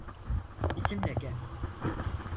Bizimle gel.